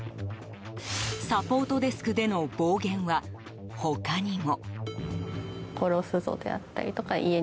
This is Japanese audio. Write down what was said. サポートデスクでの暴言は他にも。